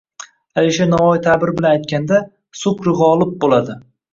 Alisher Navoiy taʼbiri bilan aytganda, «sukri gʻolib boʻladi»